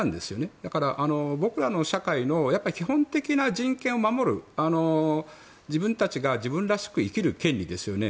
だから、僕らの社会の基本的な人権を守る自分たちが自分らしく生きる権利ですよね。